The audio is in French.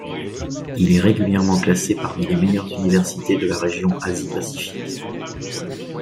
Il est régulièrement classé parmi les meilleures universités de la région Asie-pacifique.